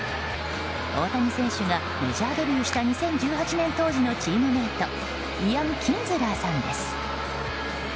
大谷選手がメジャーデビューした２０１８年当時のチームメートイアン・キンズラーさんです。